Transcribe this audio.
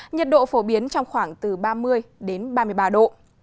nhiệt độ phổ biến trong khoảng từ ba mươi đến ba mươi ba độ